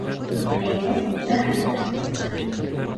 — Әйҙә, бәхәс!